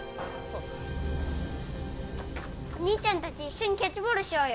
兄ちゃんたち、一緒にキャッチボールしようよ。